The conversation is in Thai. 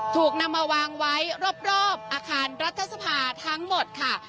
ถูกนำมาวางไว้รอบอาคารรัฐสภาทั้งหมดค่ะ